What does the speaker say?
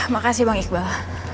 makasih bang iqbal